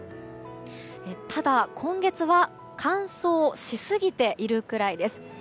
ただ、今月は乾燥しすぎているくらいです。